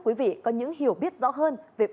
quý vị có những hiểu biết rõ hơn về